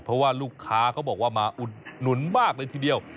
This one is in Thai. เพราะว่าลูกค้าเขาบอกว่ามาอุดหนุนมากเลยทีเดียว